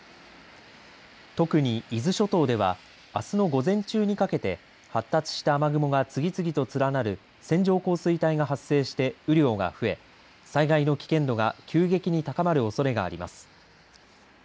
特に、伊豆諸島ではあすの午前中にかけて発達した雨雲が次々と連なる線状降水帯が発生して雨量が増え災害の危険度が急激に高まるおそれがあります。